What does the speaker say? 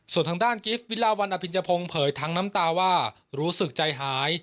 ส่วนทางด้านกิฟต์วิลาวันอภิญพงศ์เผยทั้งน้ำตาว่ารู้สึกใจหาย